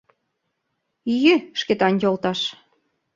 — Йӱ, Шкетан йолташ.